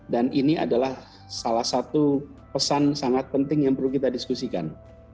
ini adalah salah satu pesan sangat penting yang perlu kita diskusikan